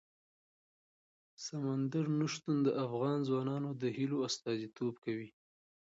سمندر نه شتون د افغان ځوانانو د هیلو استازیتوب کوي.